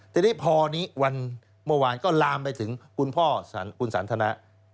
ทีนี้พอนี้วันเมื่อวานก็ลามไปถึงคุณพ่อคุณสันทนะ